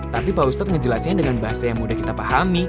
tapi pak ustadz ngejelasin dengan bahasa yang mudah kita pahami